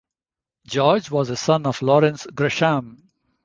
George was a son of Lawrence Gresham.